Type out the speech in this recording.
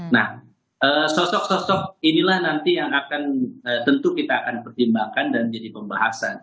nah sosok sosok inilah nanti yang akan tentu kita akan pertimbangkan dan jadi pembahasan